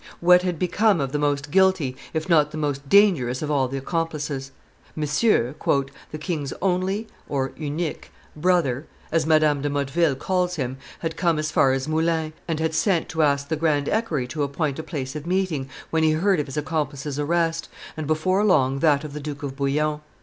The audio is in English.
What had become of the most guilty, if not the most dangerous, of all the accomplices? Monsieur, "the king's only (unique) brother," as Madame de Motteville calls him, had come as far as Moulins, and had sent to ask the grand equerry to appoint a place of meeting, when he heard of his accomplice's arrest, and, before long, that of the Duke of Bouillon.